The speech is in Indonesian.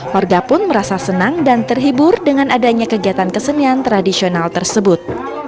warga pun merasa senang dan terhibur dengan adanya kegiatan kesenian tradisional tersebut